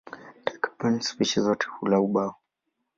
Takriban spishi zote hula ubao.